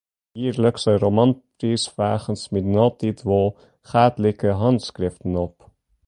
Jierlikse romanpriisfragen smieten altyd wol gaadlike hânskriften op.